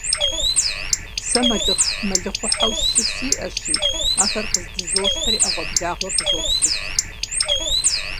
Сэ мэлыхъуэхьэу щы сиӀэщи, ахэр къыздызощтэри, Ӏэгъуэблагъэр къызопщыт.